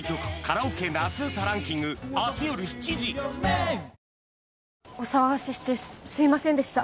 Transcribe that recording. ニトリお騒がせしてすいませんでした。